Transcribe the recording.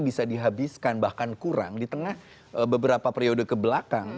bisa dihabiskan bahkan kurang di tengah beberapa periode kebelakang